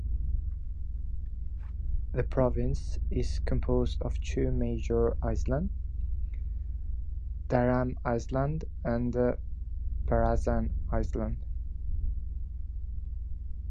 The province is composed of two major islands; Daram Island and Parasan Island.